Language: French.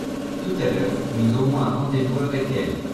tout à l'heure nous aurons un rendez-vous avec elles.